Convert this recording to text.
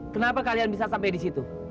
kenapa kalian bisa sampai di situ